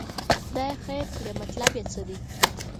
خدای خیر کړي، مطلب یې څه دی.